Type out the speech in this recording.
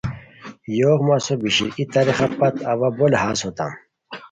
یوغ مسو بیشیر ای تاریخہ پت اوا بو لہاز ہوتام